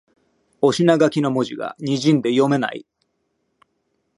お品書きの文字がにじんで読めない